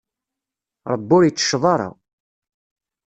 Ṛebbi ur yettecceḍ ara.